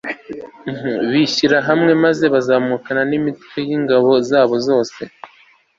bishyira hamwe maze bazamukana n'imitwe y'ingabo zabo yose